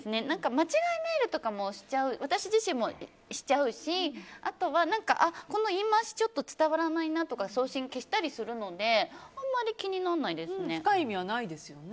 間違いメールとかも私自身もしちゃうしあとは、この言い回しがちょっと伝わらないなとかで消したりするので深い意味はないですよね。